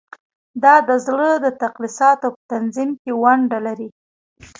دا د زړه د تقلصاتو په تنظیم کې ونډه لري.